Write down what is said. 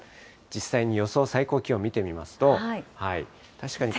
実際に予想最高気温を見てみます